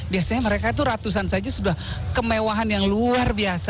biasanya mereka itu ratusan saja sudah kemewahan yang luar biasa